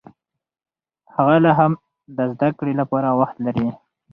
هغه لا هم د زده کړې لپاره وخت لري.